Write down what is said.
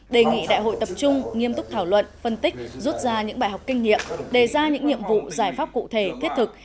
đề nghị đại hội tập trung nghiêm túc thảo luận phân tích rút ra những bài học kinh nghiệm đề ra những nhiệm vụ giải pháp cụ thể thiết thực